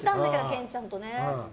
けんちゃんとね。